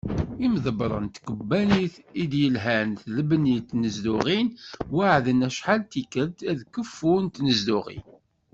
Imḍebbren n tkkebanit i d-yelhan s lebni n tnezduɣin, weɛden acḥal d tikelt s keffu n tnezduɣin.